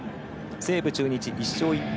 西武、中日、１勝１敗。